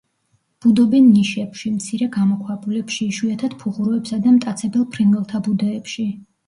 ბუდობენ ნიშებში, მცირე გამოქვაბულებში, იშვიათად ფუღუროებსა და მტაცებელ ფრინველთა ბუდეებში.